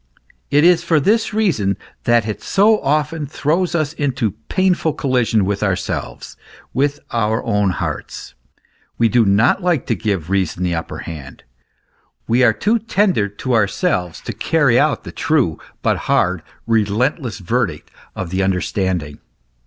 It is for this reason that it so often throws us into painful collision with ourselves, with our own hearts. AVe do not like to give reason the upper hand : we are too tender to ourselves to carry out the true, but hard, relentless verdict of the understanding.